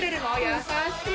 優しい！